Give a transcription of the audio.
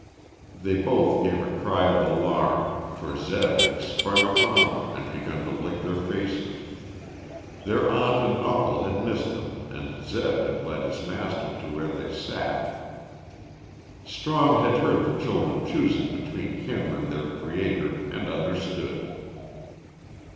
They both gave a cry of alarm, for Zeb had sprung upon them and begun to lick their faces. Their aunt and uncle had missed them and Zeb had led his master to where they sat. Strong had heard the children choosing between him and their Creator and understood.